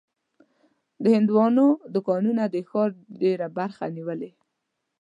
د هندوانو دوکانونه د ښار ډېره برخه نیولې.